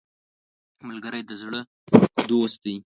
ملګری د زړه دوست دی